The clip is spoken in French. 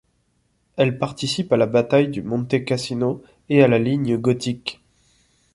Elle participe à la Bataille du Monte Cassino et à la Ligne gothique.